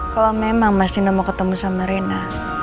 kalo memang mas nino mau ketemu sama rena